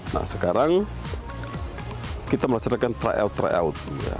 nah sekarang kita melaksanakan trial tryout